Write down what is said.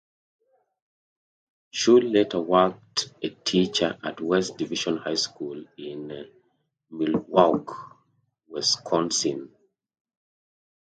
Schule later worked a teacher at West Division High School in Milwaukee, Wisconsin.